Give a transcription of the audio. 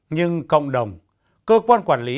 nhưng cộng đồng cơ quan quản lý